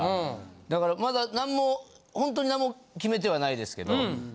だからまだ何もほんとに何も決めてはないですけど。